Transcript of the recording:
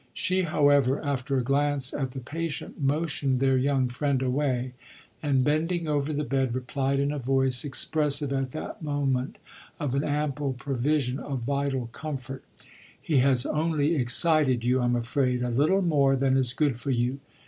She, however, after a glance at the patient, motioned their young friend away and, bending over the bed, replied, in a voice expressive at that moment of an ample provision of vital comfort: "He has only excited you, I'm afraid, a little more than is good for you.